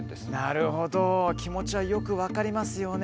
なるほど気持ちはよく分かりますよね。